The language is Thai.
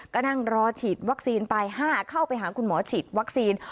ก็นั่งรอฉีดวัคซีนไป๕เข้าไปหาคุณหมอฉีดวัคซีน